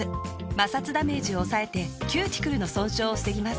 摩擦ダメージを抑えてキューティクルの損傷を防ぎます。